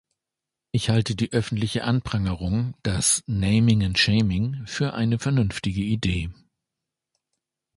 Ich halte die öffentliche Anprangerung, das "Naming and Shaming", für eine vernünftige Idee.